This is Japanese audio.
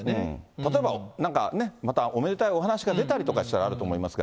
例えばなんかね、またおめでたいお話が出たりしたら、あると思いますが。